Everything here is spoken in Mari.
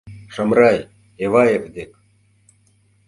Шамрай, Эваев дек!